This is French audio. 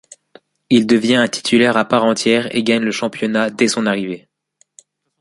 Il devient un titulaire à part entière et gagne le championnat dès son arrivée.